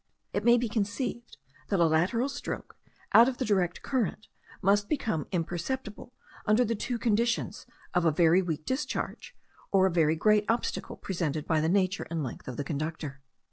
It may be conceived that a lateral stroke, out of the direct current, must become imperceptible under the two conditions of a very weak discharge, or a very great obstacle presented by the nature and length of the conductor.